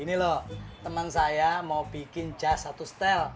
ini loh teman saya mau bikin jazz satu style